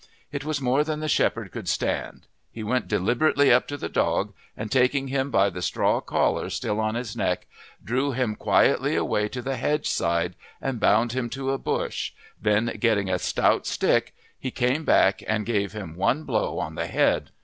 It was more than the shepherd could stand; he went deliberately up to the dog, and taking him by the straw collar still on his neck drew him quietly away to the hedge side and bound him to a bush, then getting a stout stick he came back and gave him one blow on the head.